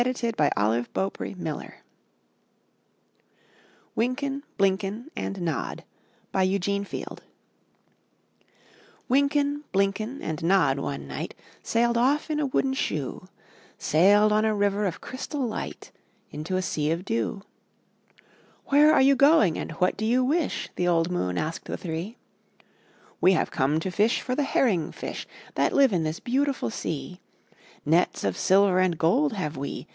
BLYNKEN, AND NOD* Eugene Field Wynken, BIynken, and Nod one night Sailed off in a wooden shoe — Sailed on a river of crystal light, Into a sea of dew. * 'Where are you going, and what do you wish?" The old moon asked the three. ''We have come to fish for the herring fish That live in this beautiful sea; Nets of silver and gold have we!'